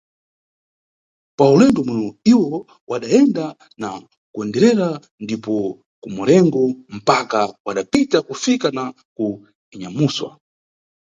Pa ulendo umweyu iwo wadayenda na kanderendere ndipo "kuMarengo" mpaka wadapita kufika na ku "Inyamuswa".